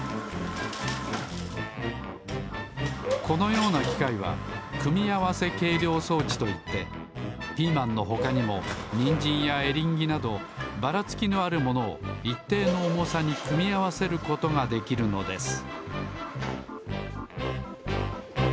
このようなきかいは組み合わせ計量装置といってピーマンのほかにもニンジンやエリンギなどばらつきのあるものをいっていのおもさに組み合わせることができるのです